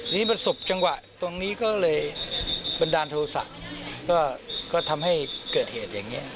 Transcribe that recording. นี่ประสบจังหวะตรงนี้ก็เลยบันดาลโทษะก็ทำให้เกิดเหตุอย่างนี้